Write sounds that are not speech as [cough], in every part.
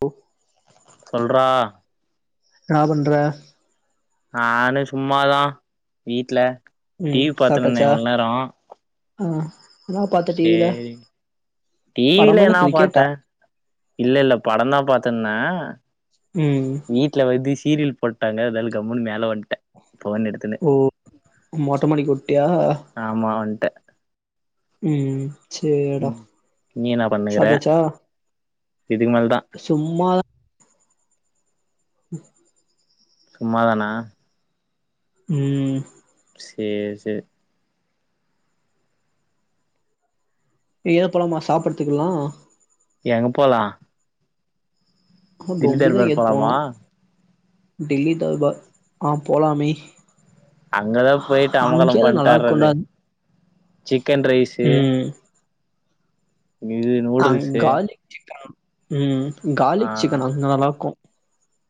who சொல்ற என்னட பண்ற நானும் சும்மாதான் வீட்டு்ல டிவி பாத்தினிருந்தேன் இவ்வளவு நேரம் ஆஹ செரி டிவில படமா இல்ல என்னா கிரிக்கெட்டா பாத்தே இல்ல இல்ல படம் தான் பாத்தே த்தண்ண ம் வீட்டு்ல வக்ஷ சீரியல் போட்டாங்க அதால கம்முனு மேலே வந்துட்டேன் ஓ மோட்ட மடிக்கி ஒட்டிய த உம் சரிடா நீ என்னா பண்ணுகிற சப்டாச்சா இதுக்கு மேலதா சும்மாதன் உஹ சும்மாதானா உம்உம் சர் சரி ஏது பழமா சாப்பிடுத்துக்கலாம் எங் போலா திடி தர் பொம்டிதா பேர் எங்கயாது போனு போலாமா டெல்லி தான் ஆ போலாமே அங்கதான் போயிட்டு அமக்களம் அங்கயாவது நல்லா இருக்குன்டா பண்ணட்டாடுறது சிக்கன் ரைஸு ம் இது நூடுல்ஸு உம் கார்லிக் சிக்கன் அங்கே நல்லாயிருக்கும்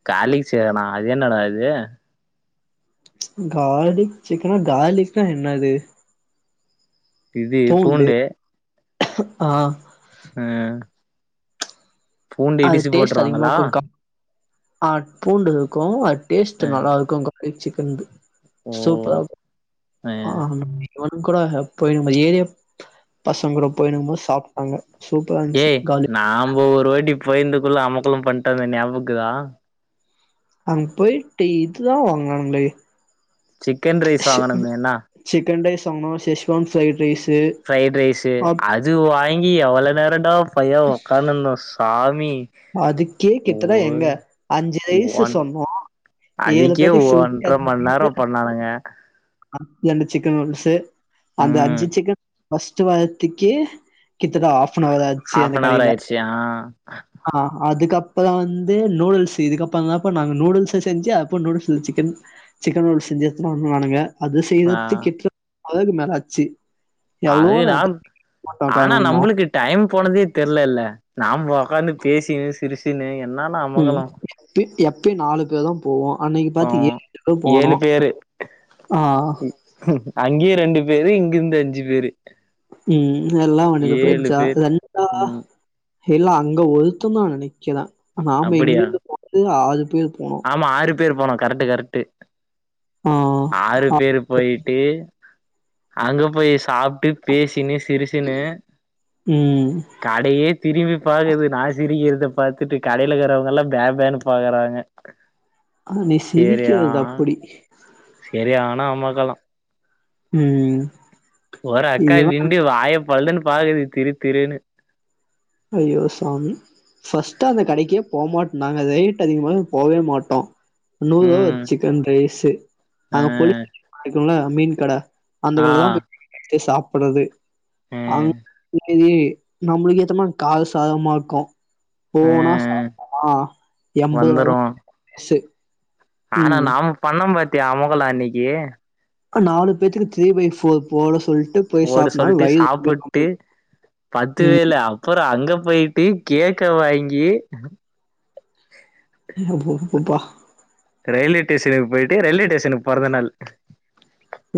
காலிக்கு சேரணா அது என்னடதது கார்லிக் சிக்கனா கார்லிக்னா என்னது இது பூண்டு ஆஹ் உஹம் பூண்டு இடிச்சி போட்டுருவாங்களா அட் பூண்டு இருக்கும் அட் டேஸ்ட் அ நல்லா இருக்குங்கு ஓ [unintelligible] சூப்பர் அ ஆ இவன் கூட போயிடும்பது நம்ம ஏரியா பசங்க கூட போயிரு போது சாப்ட்டாங்க சூப்பரா இருந்துச்சு ஏய் கார்லிக் நாம்ப ஒரு வாட்டி போய்ந்துக்குள்ள அமக்கள்ளும் பண்ணிட்டோமே ஞாபக்குதான் அங் போயிட்டு இதுதான் வாங்னாங்ளே சிக்கன் ரைஸ் வாங்கனுமேய்னா தோணோவிசேஷேம் ப்ரைட் ரைஸ் [unintelligible] பிரைட் ரைஸ்சு அப் அது வாங்கி க்கி எவ்ளோ நேரண்டா பைய உக்கானந்தம் சாமி அதுக்கே கிட்ட எங்க ஓய் அஞ்சு ரைஸ் ஒன் சொன்னோம் ஏழு அதுக்கே பேத்துக்கு ஒன்ற செச்சு மண் நேரோ பண்ணானுங்க அ ரெண்டு சிக்கன் நூடுல்சு அந்த ம் அஞ்சு சிக்கன் பஸ்ட வாரத்துக்கு கித்தன ஆப் னதாச்சு ஹாஃப் அந்த அன் அவர் கடையில ஆயிடுச்சு ஆ ஆஹ் அதுக்கப் இப்போ தான் வந்து நூடுல்ஸ் இதுக்கப்புறம்ந்தான் இப்போ நாங்கள் நூடுல்ஸ் செஞ்சு அப்போ நூடுல்ஸில் சிக்கன் சிக்கன் நூடுல்ஸ் செஞ்சு எடுத் நானுங்க அது ஆ செய்யறதுக்கு கிட்டலப் அதுக்கு மேலாச்சு அது நா ஆனா உக்காந்துருந்தோ நம்மளுக்கு டைம் போனதே தெர்ல்லல்ல நாம [unintelligible] பிஸினு எப் உம் எப்பயு நாலு பேர் தா போவோ அன்னைக்கு பாத்து பாவோ ஏலு எட்டு பேரு போனோ ஏழு பேரு ஆ அங்கயே ரெண்டு பேரு இங்கிந்து அஞ்சு பேரு ம் எல்லா வண்டில ஏழு போயிடுச்சா பேர் ம் இல்ல அங்க ஒருத்த தா நினைக்கத நாம அப்படியா இங்கிருந்து போறது ஆ ஆமா ஆறு பே பேரு போனோ கரெட்டு கரெட்டு ஆ ஆறு ஆ பேரு போயிட்டு அங்க போய் சாப் பேசின்னு சிரிச்சினு ம் கடையே திரும்பி பாக்குது நா சிரிக்கிற பாத்துட்டு கடையில இருக்கிறவங்கள்ளா பே பேன்னு பாக்குறாங்க ஆ நீ சரியா சிரிக்கிறது அப்படி செரியான அமக்கலோ ம் ஒரு அக்கா இவ திண்டு வாய பல்லுன்னு பாக்குது திரு திருன்னு ஐயோ சாமி ஃபர்ஸ்ட்டா அந்த கடைக்கே போமாட்டோ நாங்க ரேட் அதிகமா இருக்குனு போவே மாட்டோம் நூறு ரூவா ஒரு ம் சிக்கன் ரைசு அ அங்க பொலிக் மீன் கட ஆ அந்தக்கட்ல தா போயி சாப் அ [unintelligible] நம்பலக்கு ஏத்த மா கார சாரமா இருக்கு அ போனா சாப்டாமோ எண்பது ரூவா வந்துரு தா ஆச்சி ஆனா நாம பண்ணோ பாத்தி அமக்களோ அன்னிக்கி நாலு பேத்துக்கு த்ரீ பை போர் போட சொ போட சொல்ட்டு சாப்புட்டு ம் பத்தவேல அப்புறம் அங்க போயிட்டு கேக்க வாங்கி எப்பப்பப்பா ரயில்வே ஸ்டேஷனுக்கு போயிட்டு ரயில்வே ஸ்டேஷனுக்கு பிறந்த நாள்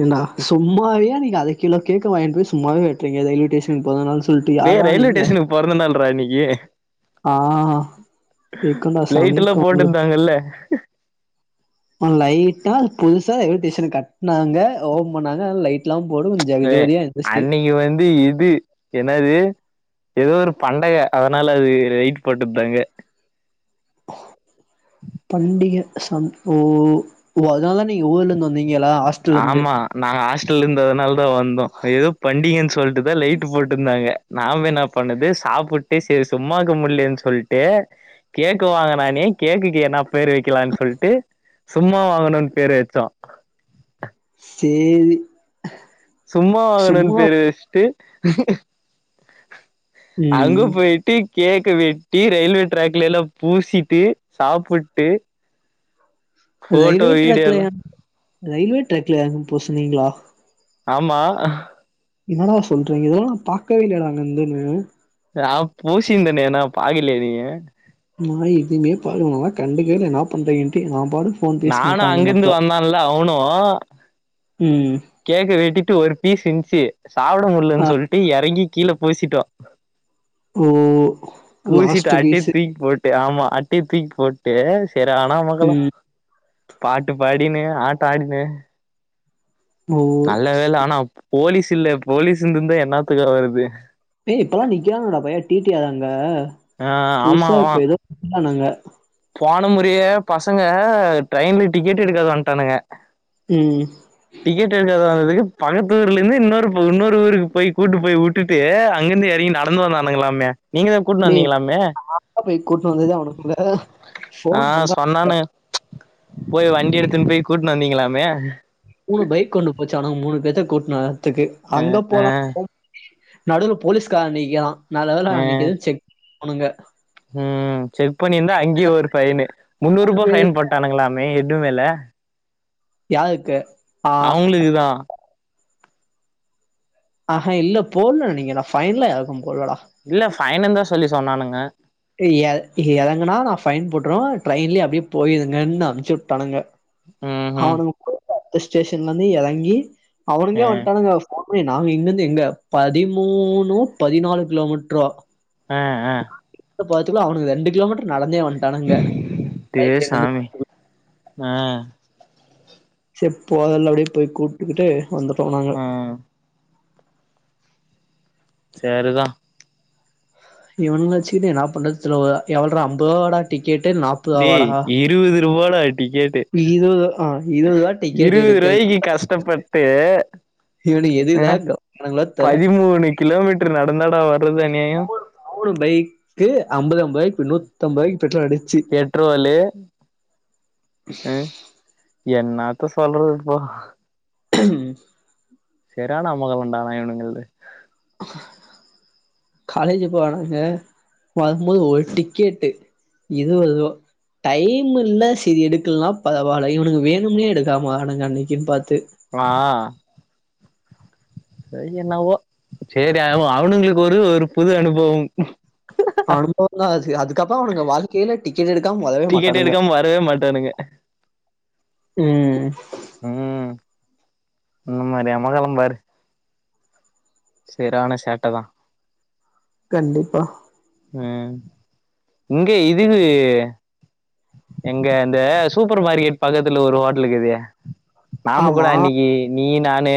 ஏண்டா சும்மாவியா நீங்க அரை கிலோ கேட்கு வாங்கிட்டு போய் சும்மாவே வெற்றிங்க ரயில்வே ஸேஷன்க்கு பொறந்தநாள் வே ரயில்வேஸ்டேஷனுக்குபொறந்ததுனாலு [unintelligible] ஆஹ் கேக்டா சாமி லைட் எல்லா உங்களுக்கு போட்டுருந்தாங்கல்ல [inaudible] லைட்டா புதுசா எதும் டிசைன் நாங்க ஓன் பண்ணாஙலைட் ளம் அஹ அன்னைக்கு வந்து இது என்னது ஏதோ ஒரு பண்டக அதனால அது லைட் போட்டுவிடங்க பண்டிகை சன் ஓ அதனால தான நீ ஊர்ல இருந்து வந்த நீங்க எல்லாம் ஹாஸ்டல்ல இருந்து இருந்தன அது தான் வந்தோம் ஏதோ பண்டிகைன்னு சொல்ட்டுதான் லைட் போட்டுருந்தாங்க நாம என்ன பண்ணுது சாப்புட்டு செரி சும்மாக்கு முடியலனு சொல்லிட்டு கேக்கு வாங்கனானே கேக்குக்கு என்ன பேர் வைக்கலான்னு சொல்லிட்டு சும்மா வாங்கணும்ன்னனு பேர் வச்சோம் சேரி சும்மா வாங்கணுன்னனு சும்மா பேரு வச்சிட்டு ஹூஹிஹூ அங்கு ம் போயிட்டு கேக்க வெட்டி ரயில்வே டார்க் எல்லாம் பூசிட்டு சாப்புட்டு ஃபோட்டோ ரயல்வே ட்ரக்கல வீடியோலாம் ரயில்வே ட்ராக்ல இறங்கி பூஸ்னிங்கள ஆமா என்ன டா சொல்றீங்க இதெல்லாம் நான் பாக்கவே இல்லையே டா அங்க இருந்துனு ஆ பூசிந்தனேன்னா பாக்கலய நீங்க நா எதுமே பாக்கல நா கண்டுகவேல்ல என்ன பண்றிங்கண்டு நா பாட்கு நானும் அங்கிருந்து வந்தான்ல அவனும் ம் கேக்க வெட்டிட்டு ஒரு பீச் இந்ஸ்ச்சு ஆ சாப்புடாமுல்னு சொல்லிட்டு இறங்கி கீழே பேசிட்டா ஓம் பூசிட்டு அடி தூக்கி போட் ஆமா அட்டை தூக்கி போட்டு சரியான அமக்களம் ம் பாட்டு பாடின்னு ஆட் பயனுக ஓ நல்ல வேல ஆனா அப் போலீஸ் இல்ல போலீஸ் இருந்தா என்னாத்துக் ஆகுறது ஏய் இப்பெல்லாம் நிக்கிறாங்கடா பையன் டிட்டியார்அங்க ஆ ஆமா வ ஆனாங்க போன முறையே பசங்க ட்ரெயின்ல டிக்கெட் எடுக்கத வந்துட்டானுங்க உம் டிக்கெட் எடுக்கதாவது பக்கத்து ஊர்ல இருந்து இன்னொரு இன்னொரு ஊருக்கு போய் கூட்டு போய் விட்டுட்டு அங்கிருந்து இறங்கி நடந்து வந்தானுங்களலாமே ஏ போய் கூட்டிட்டு வந்துதே உனக்குங்க போன் ஆஹ் பண்ற சொன்னானு போய் வண்டி எடுத்துன்னு போய் கூட்னு வந்தீங்களாமே மூணு பைக் கொண்டு போச்சுனங்க மூணு பேத்த கூப்டுவர த்துக்கு அங்க ஆ போலாம் நடுல போலீஸ்கார நீக்கரான் நல்ல வேல ஆ அன்னைக்கு எதுவும் செக் மங்க உஹம் செக் பண்ணிருந்தா அங்கயே ஒரு ஃபைனு முன்னூறு நாலு ரூபா ஃபைனு பேருக்கு போட்டானுங்களாமே இடு மேல யாருக்கு ஆ அவங்ளுக்குதான் ஆஹா இல்ல போடல நினைக்கிற ஃபைன்லா யாருக்கு போடலாடா இல்ல ஃபைனுந்தான் சொல்லி சொன்னானுங்க இற இறங்கன்னா நா ஃபைன் போட்டுருவன் ட்ரெயின்லயே அப்டியே போயிருங்கன்னு அனுப்ச்சி விட்டானுங்க ம் ம் அவனுக போய் அந்த பத்து டேஷன்ல இருந்து இறங்கி ஆ அவனுங்களே வண்டானுங்க போன் நாங்க இங்க இருந்து எங்க பதிமூணு பதினாலு கிலோமீட்டரோ அஹா அஹா உள்ள போறதுகுள்ள அவனுக ரெண்டு கிலோமீட்டர் நடந்தே வன் தனங்க பைக் எங்கந்து குடு ஆஹ் சப்போது அப்படியே போய் கூட்டுக்கிட்டு வந்துட்டோ நாங்க ம் செரிதான் இவனங்கள வச்சிக்கிட்டு என்ன பண்றதுன்னுதெரியல எவ்வளோ அம்பர்படா டீ கேட்டு நாப்றவ வடா ஒருபடா இருவறு ஆ இருவறு தான் டிக்கெட் எடுக்கது கட்டபட்டு இவனு எதுதான் கவனங்களோ தெல பதிமூணு கிலோமீட்டர் நடந்தாடா வர்றது அநியாயம் மூண மூணு பைக்கு ஐம்பது ஐம்பது வாய்க்கு நூத்தம்பதுதாயு பெட்ரோலு அஹ் என்னாத் இப்ப சொல்றது ப்போ உம் சரியான அமகளம் ட இவனுங்கள்து காலேஜ் போனாங்க வரும்போது ஒரு டிக்கெட்டு இறுவர்ப டைம் இருந்த சரி எடுக்கலனா பரவல இவனுக்கு வேணும்னு எடுக்காம வரனுங்க அன்னைக்குன்னு பாத்து க்லா ச என்னாவோ செரி அவன் அவனுங்களுக்கு ஒரு ஒரு புது அனுபவம் அனுபவம் தான் அது அதுக்கப்புற அவனங்க வாழ்க்கையில டிக்கெட் எடுத் டிக்கெட் எடுக்காம வரவே மாட்டானுங்க ம் உம் இந்த மாரி அமர்க்களம் பாரு சேரான ஷேட்டதான் கண்டிப்பா உம் இங்க இதுவு எங்க இந்த சூப்பர் மார்க்கெட் பக்கத்துல ஒரு ஹோட்டலுக்குதே நாம கூட ஆமா அன்னைக்கு நீ நானு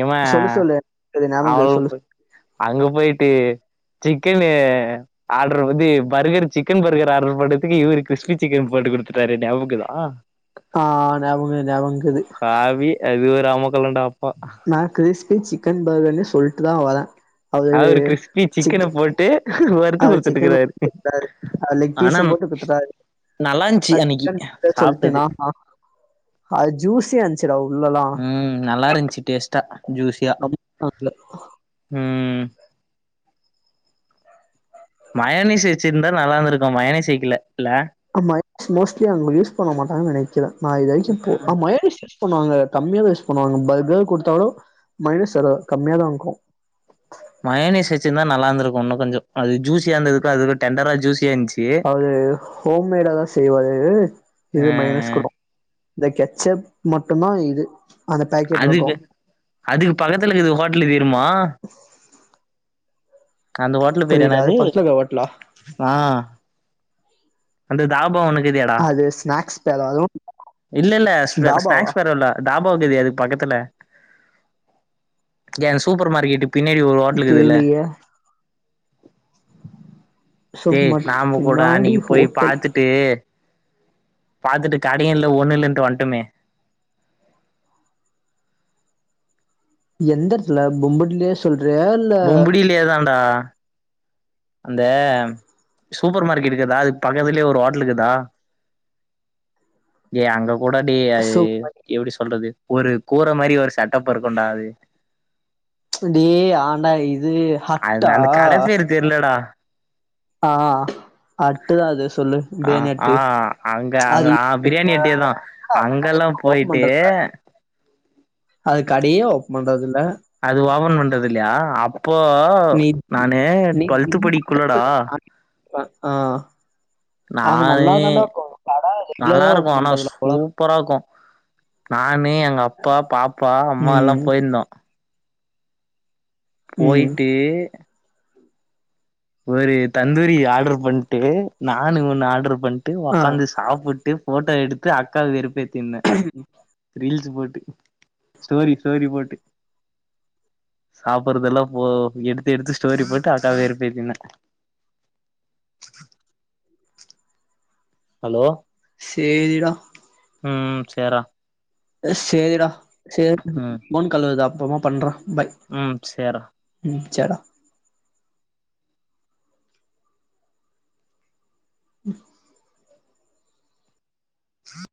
ஏமா சொல்லு சொல்லு இது ஞாபகங்குது சொல்லு அவபொ அங்க போயிட்டு சிக்கனு ஆர்டர் இது பர்கர் சிக்கன் பர்கர் ஆர்டர் பண்ணி சில்லி சிக்கன் போட்டு குடுத்துட்டாரு நியபகம்இருக்குதா ஆஹ் அவங்க ந அவங்கது ஹாவி அது ஒரு அமக்கல்லண்டா நான் கிரிஸ்பி சிக்கன் பர்கானி சொல்ட்டு தா வரேன் அ ஒரு கிறிஸ்பி சிக்கன போட்டு வருத்து அது சிக்கன் கொடுத்துட்டுக்கிறாரு குடுத்துட்டாரு அது லெக் ஆனா பீஸ போட்டு குடுத்துட்டாரு நல்லாஞ்சு நா அன்னைக்கு சிக்கன் சாப்புட்டது அஹ் ஜூஸியா இருந் உம் நல்லா இருந்துச்சு டேஸ்டா ஜூசியா உம் [inaudible] மையோனஸ் வச்சிருந்தா நல்லா தான் இருக்கும் மையோனிஸ் வைக்கல இல்ல மோஸ்லி அவங்க யூஸ் பண்ண மாட்டங்கனு நினைக் நான் இதச்சு போ ம் மயடிஸ் செட் பண்ணுவாங்க கம்மியா தான் யூஸ் பண்ணுவாங்க கொடுத்தாலும் மைனஸ் கம்மியா தான் இருக்கும் மயனிஸ் வச்சிருந்தா நல்லா இருந்திருக்கும் இன்னும் கொஞ்சம் அது ஜூசியா இருந்ததுக்கு அதுக்கு டெண்டரா ஜூசி அது ஹோம்மட தான் செய்வாது ஆ இது மைனஸ் குடும் இந்த கெச்செட் மட்டும்தான் இது அந்த பேக்கெட்ல இருக்கு அதுக்கு அதுக்கு பக்கத்துலக்கு இது ஹோட்டல்லு வீடுமா அந்த ஹோட்டல பேரு புரியல அது என்னது பக்கத்துல இருக்க ஹோட்டலா ஆஹ் அந்த தாபா ஒன்னு தெர்லியேடா அது ஸ்நாக்ஸ் பேரா அதுவு இல்ல இல்ல ஸ்நாக் தாபாவா ஸ்நாக்ஸ் பெரல்ல தாப போகுதே அது பக்கத்துல என் சூப்பர் மார்க்கெட் பின்னாடி ஒரு ஹோட்டலுக்குது இல்ல தெர்லியே சோ ஏய் மட் நாம கூட பின்னாடி அன்னிக்கு போய் ஹோட்டல் பாத்துட்டு பாத்துட்டு கடையும்இல்லா ஒண்ணு இல்லான்னு வந்துட்டுமே எந்த இடத்துல பொம்பட்லே சொல் வேல ஹா அந்தா சூப்பர் மார்க்கெட் கிதா அது பக்கத்துலயே ஒரு ஹோட்டல் இருக்தா ஏ அங்க உடாடி சோ எப்படி சொல்றது ஒரு கூற மாதிரி ஒரு சட்டப் இருக்கண்டாது அடடிய ஆண்டா இது அந்த ஹட்டா ஆ அட்டு தா அது சொல்லு பிரியாணி அஹ் அட்டு ஆஹ் அங்க அது அங்க ஆஹ் இப்ப பிரியாணி எட்டியதான் என்னடா அந்த கடைய அங்கெல்லாம் ஓப்பன் போயிட்டு பண்றதுல அது கடையே ஓப் பண்றது இல்லை அது வாபன் பண்றது இல்லையா இப்போ நீ நானு டுவெல்த் படிக்குள்ளடா ஆஹ் நானே நல்லா ரெகுலரா இருக்கும் ஓப்பன் ஆனா பண்றதுல அவ்ளோ சூப்பரா இருக்கும் கா நானு எங்க அப்பா பாப்பா அம்மா எல்லாம் ம் போயிருந்தோம் ம் போயிட்டு ஒரு தந்தூரி ஆர்டர் பண்ணிட்டு நான் ஒண்ணு ஆர்டரு பண்ணிட்டு ஆ உடக்காந்து சாப்பிட்டு போட்டோ எடுத்து அக்காவ வெறுப்பேத்தி கும் ரீல்ஸ் போட்டு ஸ்டோரி ஸ்டோரி போட்டு சாப்படுறதெல்லாம் போ எடுத்து எடுத்து ஸ்டோரி போட்டு அக்கா வெறுப்பேத்துனா ஹலோ சேரிடா உம் சேரா சேரிடா சேரி போன்கால்வருதா அப்பமா பண்றோம் உம் சேர்ரா சேர்டா உம் கும்